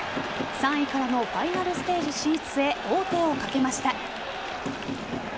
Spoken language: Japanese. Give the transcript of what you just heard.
３位からのファイナルステージ進出へ王手をかけました。